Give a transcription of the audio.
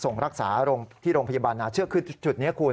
ส่งรักษาที่โรงพยาบาลนาเชือกคือจุดนี้คุณ